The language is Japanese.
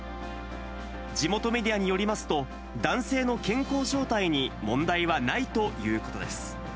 地元メディアによりますと、男性の健康状態に問題はないということです。